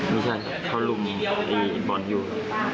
ไม่ใช่ครับเขาลุมบอลอยู่